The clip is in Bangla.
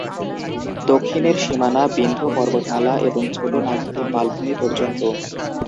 দক্ষিণের সীমানা বিন্ধ্য পর্বতমালা এবং ছোট নাগপুর মালভূমি পর্যন্ত।